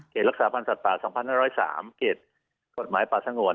เกรดรักษาพันธ์สัตว์ป่า๒๕๐๓เกรดกฎหมายป่าสังหวร